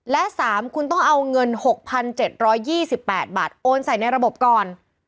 และ๓คุณต้องเอาเงิน๖๗๒๘บาทโอนใส่ในระบบก่อน